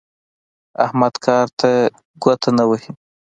احمد کار ته ګوته نه وهي.